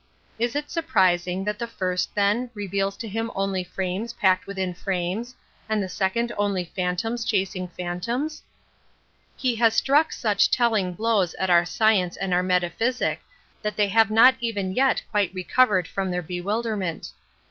Is it surprising that the first, then, reveals to him only frames , packed within frames, and the second only phantoms chasing phantoms? He has struck such telling blows at our science and our metaphysic that they have 82 An Introduction to not even yet quite recovered from their bewilderment.